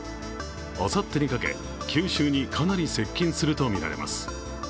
あさってにかけ、九州にかなり接近するとみられます。